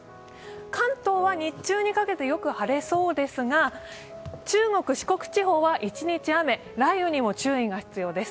関東は日中にかけてよく晴れそうですが中国・四国地方は一日雨、雷雨にも注意が必要です。